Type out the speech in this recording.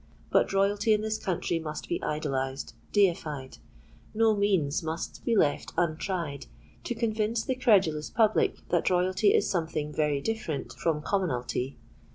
But royalty in this country must be idolized—deified: no means must be left untried to convince the credulous public that royalty is something very different from commonalty.